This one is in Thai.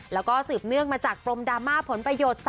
แล้วก็สืบเนื่องมาจากปรมดราม่าผลประโยชน์